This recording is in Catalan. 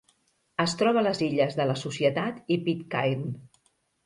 Es troba a les Illes de la Societat i Pitcairn.